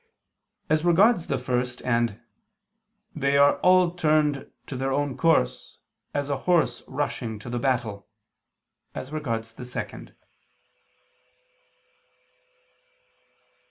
as regards the first; and, "They are all turned to their own course, as a horse rushing to the battle," as regards the second.